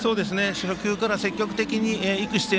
初球から積極的にいく姿勢